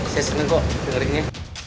saya seneng kok dengerinnya